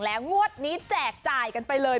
แล้วงวดนี้แจกจ่ายกันไปเลย